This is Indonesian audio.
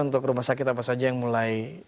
untuk rumah sakit apa saja yang mulai